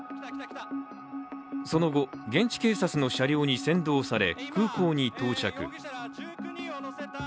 その後、現地警察の車両に先導され空港に到着。